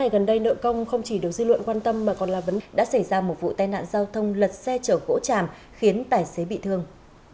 gần đây nợ công không chỉ được dư luận quan tâm mà còn là vẫn đã xảy ra một vụ tai nạn giao thông lật xe chở gỗ tràm khiến tài xế bị thương